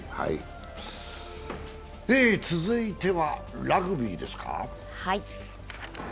続いてはラグビーですか。